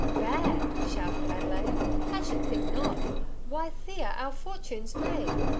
"Bad!" shouted Adelaide; ''1 should think not ! Why, Thea, our fortune's made.